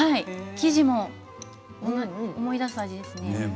生地も思い出す味ですね。